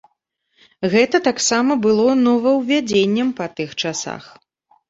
Гэта таксама было новаўвядзеннем па тых часах.